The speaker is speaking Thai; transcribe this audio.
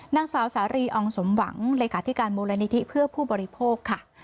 นางสาวสารีอองสมหวังรายการที่การมูลนิธิเพื่อผู้บริโภค